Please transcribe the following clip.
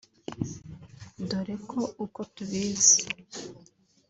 dore ko uko tubizi